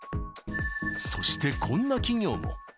そして、こんな企業も。